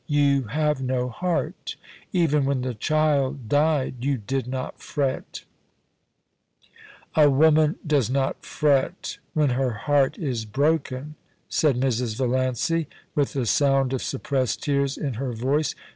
You have no heart Even when the child died you did not fret' 'A woman does not fret when her heart is broken,' said Mrs. Valiancy, with the sound of suppressed tears in her voice.